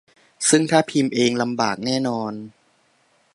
ซึ่งถ้าพิมพ์เอง ลำบากแน่นอน